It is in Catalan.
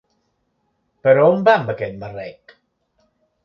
Però on va amb aquest marrec?